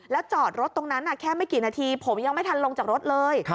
แล้วจอดรถตรงนั้นแค่ไม่กี่นาทีผมยังไม่ทันลงจากรถเลย